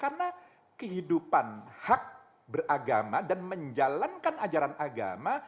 karena kehidupan hak beragama dan menjalankan ajaran agama